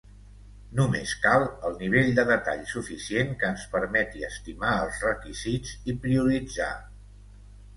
Només cal el nivell de detall suficient que ens permeti estimar els requisits i prioritzar.